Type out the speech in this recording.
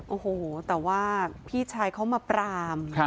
โอ้โหแต่ว่าพี่ชายเขามาปราม